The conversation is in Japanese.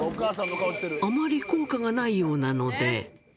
あまり効果がないようなので。